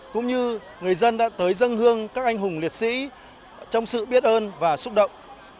cũng như người dân đã tới dân hương các anh hùng liệt sĩ trong sự biết ơn và xúc động